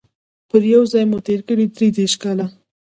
پر یوه ځای مو تیر کړي دي دیرش کاله